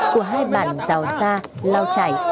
của hai bản giàu xa lao chảy